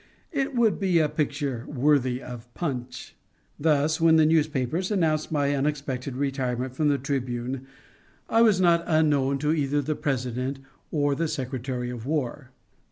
It would be a picture worthy of Punch. Thus, when the newspapers announced my unexpected retirement from the Tribune, I was not unknown to either the President or the Secretary of War.